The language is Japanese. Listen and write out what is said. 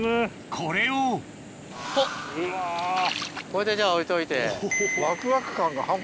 これでじゃあ置いといて。